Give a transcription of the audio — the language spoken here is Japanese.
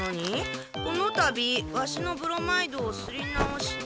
「このたびワシのブロマイドをすり直した。